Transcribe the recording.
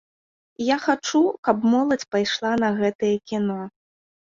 Я хачу, каб моладзь пайшла на гэтае кіно.